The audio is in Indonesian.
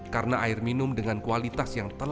karena air minum dengan kualitas yang sangat baik